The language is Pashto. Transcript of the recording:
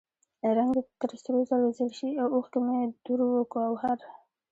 رنګ دې تر سرو زرو زیړ شي او اوښکې مې دُر و ګوهر.